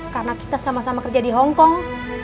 karena kita sama sama kerja di hongkong